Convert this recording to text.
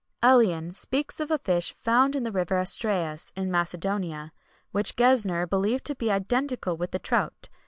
Elian speaks of a fish found in the river Astræus, in Macedonia,[XXI 144] which Gesner believed to be identical with the trout.